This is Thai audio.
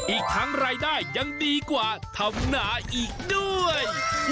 อีกทั้งรายได้ยังดีกว่าทำหนาอีกด้วย